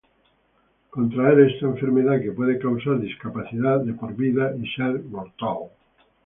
contraer esta enfermedad que puede causar discapacidad de por vida y ser mortal